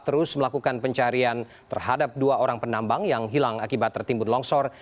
terus melakukan pencarian terhadap dua orang penambang yang hilang akibat tertimbun longsor